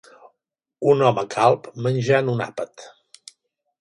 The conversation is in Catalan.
Un home calb menjant un àpat